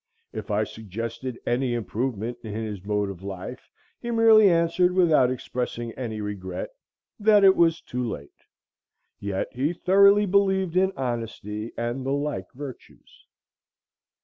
If I suggested any improvement in his mode of life, he merely answered, without expressing any regret, that it was too late. Yet he thoroughly believed in honesty and the like virtues.